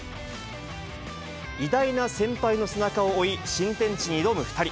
偉大な先輩の背中を追い、新天地に挑む２人。